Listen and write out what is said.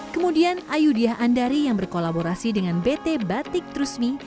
kemudian ayudhya andari yang berkolaborasi dengan bt batik trusmi